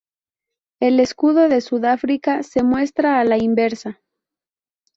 El escudo de Sudáfrica se muestra a la inversa.